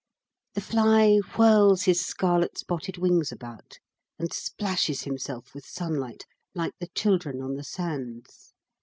The fly whirls his scarlet spotted wings about and splashes himself with sunlight, like the children on the sands.